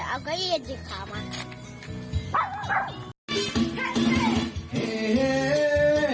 โอ้จะอีกทำไมเนี่ย